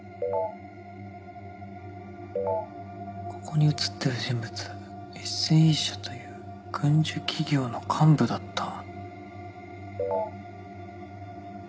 「ここに映ってる人物ＳＥ社という軍需企業の幹部だった」。